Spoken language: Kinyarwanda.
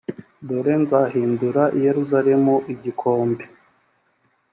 dore nzahindura i yerusalemu igikombe